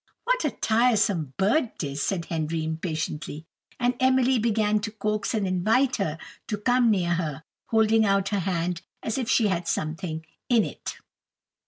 "What a tiresome bird it is," said Henry, impatiently. And Emily began to coax and invite her to come near, holding out her hand as if she had something in it.